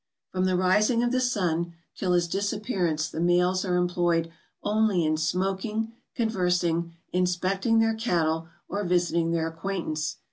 From the rising of the sun till his disappearance the males are employed only in smoking, conversing, inspecting their cattle, or visit¬ ing their acquaintance.